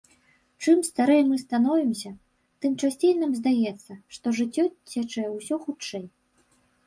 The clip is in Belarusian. Чым старэй мы становімся, тым часцей нам здаецца, што жыццё цячэ ўсё хутчэй.